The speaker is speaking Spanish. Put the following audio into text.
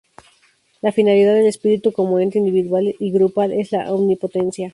La finalidad del espíritu como ente individual y grupal es la omnipotencia.